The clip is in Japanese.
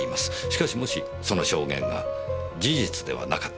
しかしもしその証言が事実ではなかったとしたら。